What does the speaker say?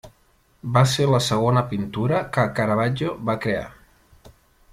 Va ser la segona pintura que Caravaggio va crear.